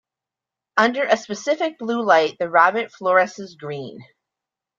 Under a specific blue light, the rabbit fluoresces green.